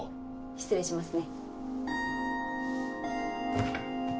失礼しますね。